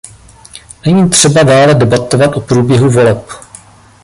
Není třeba dále debatovat o průběhu voleb.